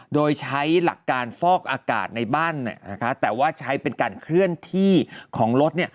โดยใช้หลักการฟอกอากาศในบ้านแต่ว่าใช้เป็นการเคลื่อนที่ของรถ